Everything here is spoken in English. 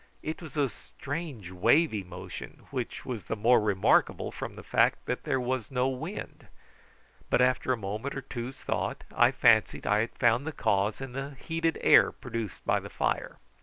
It was a strange wavy motion, which was the more remarkable from the fact that there was no wind; but after a moment or two's thought I fancied I had found the cause in the heated air produced by the fire.